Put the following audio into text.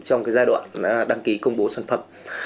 trong giai đoạn đăng ký công bố sản phẩm